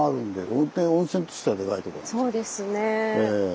そうですね。